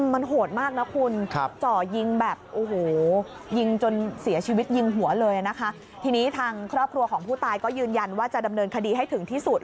มันโหดมากนะคุณจ่อยิงแบบโอ้โหยิงจนเสียชีวิตยิงหัวเลยนะคะทีนี้ทางครอบครัวของผู้ตายก็ยืนยันว่าจะดำเนินคดีให้ถึงที่สุด